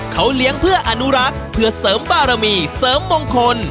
เขาเลี้ยงเพื่ออนุรักษ์เพื่อเสริมบารมีเสริมมงคล